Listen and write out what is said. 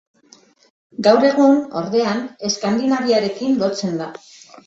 Gaur egun, ordean, Eskandinaviarekin lotzen da.